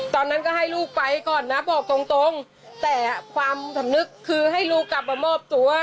ตอนนั้นก็ให้ลูกไปก่อนนะบอกตรงตรงแต่ความสำนึกคือให้ลูกกลับมามอบตัว